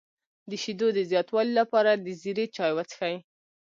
د شیدو د زیاتوالي لپاره د زیرې چای وڅښئ